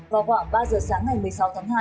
vào khoảng ba giờ sáng ngày một mươi sáu tháng hai